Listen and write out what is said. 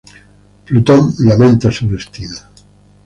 Plutón lamenta su destino.